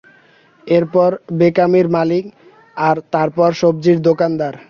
এরপর বেকারির মালিক আর তারপর সবজির দোকানদার।